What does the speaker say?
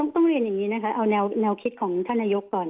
ต้องเรียนอย่างนี้นะคะเอาแนวคิดของท่านนายกก่อน